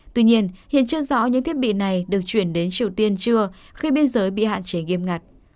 tuy nhiên hiện chưa rõ những thiết bị này được chuyển đến triều tiên chưa khi biên giới bị hạn chế nghiêm ngặt